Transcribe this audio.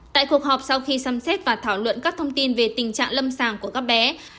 tại cuộc họp sau khi xem xét và thảo luận các thông tin về tình trạng lâm sàng của các bé